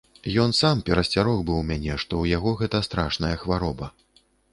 Ён сам перасцярог быў мяне, што ў яго гэта страшная хвароба.